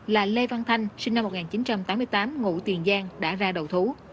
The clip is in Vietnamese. là lê văn thanh sinh năm một nghìn chín trăm tám mươi tám ngụ tiền giang đã ra đầu thú